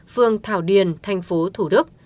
phường thảo điền tp thủ đức